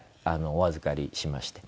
お預かりしまして。